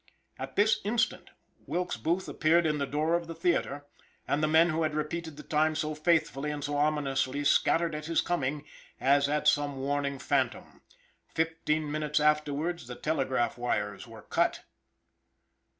At this instant Wilkes Booth appeared in the door of the theater, and the men who had repeated the time so faithfully and so ominously scattered at his coming, as at some warning phantom. Fifteen minutes afterwards the telegraph wires were cut.